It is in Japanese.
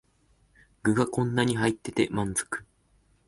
具がこんなに入ってて満足